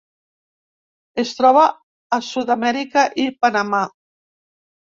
Es troba a Sud-amèrica i Panamà.